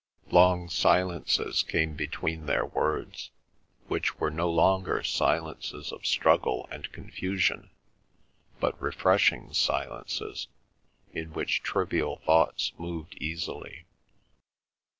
Long silences came between their words, which were no longer silences of struggle and confusion but refreshing silences, in which trivial thoughts moved easily.